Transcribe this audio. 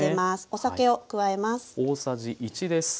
お酒を加えます。